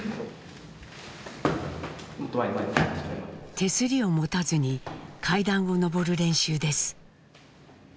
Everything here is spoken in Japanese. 手すりを持たずに階段を上る練習です。